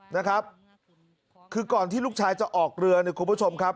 นะครับคือก่อนที่ลูกชายจะออกเรือเนี่ยคุณผู้ชมครับ